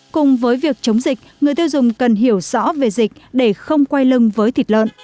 cùng với việc chống dịch người tiêu dùng cần hiểu rõ về dịch để không quay lưng với thịt lợn